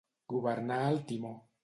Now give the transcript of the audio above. Governar el timó.